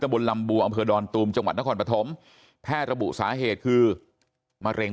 บนลำบัวอำเภอดอนตูมจังหวัดนครปฐมแพทย์ระบุสาเหตุคือมะเร็ง